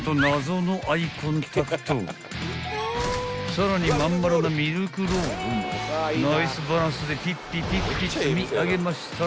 ［さらに真ん丸なミルクロールもナイスバランスでピッピピッピ積み上げましたら］